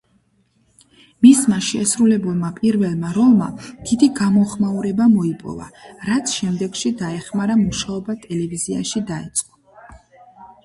მისმა შესრულებულმა პირველმა როლმა დიდი გამოხმაურება მოიპოვა, რაც შემდეგში დაეხმარა მუშაობა ტელევიზიაში დაეწყო.